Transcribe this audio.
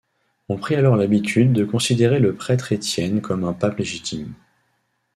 On prit alors l'habitude de considérer le prêtre Étienne comme un pape légitime.